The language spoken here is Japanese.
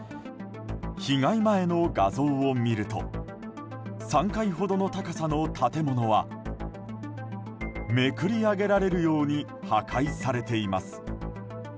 被害前の画像を見ると３階ほどの高さの建物はめくり上げられるように破壊されています。